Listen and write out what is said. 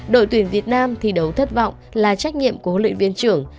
đội tuyển việt nam thi đấu thất vọng là trách nhiệm của huấn luyện viên trưởng